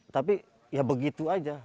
tapi ya begitu saja